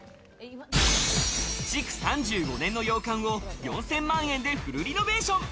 築３５年の洋館を４０００万円でフルリノベーション！